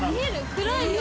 暗いよ。